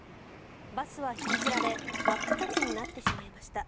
バスは引きずられ真っ二つになってしまいました。